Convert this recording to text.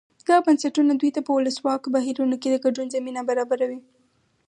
دا بنسټونه دوی ته په ولسواکو بهیرونو کې د ګډون زمینه برابروي.